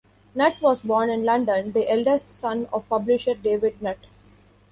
Nutt was born in London, the eldest son of publisher David Nutt.